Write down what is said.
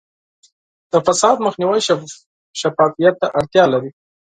د فساد مخنیوی شفافیت ته اړتیا لري.